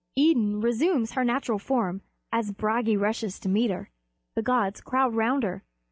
Idun resumes her natural form as Bragi rushes to meet her. The gods crowd round her.